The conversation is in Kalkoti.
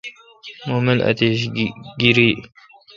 مہ مل اتیش گیریی۔